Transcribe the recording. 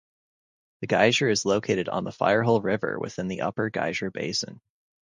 The geyser is located on the Firehole River within the Upper Geyser Basin.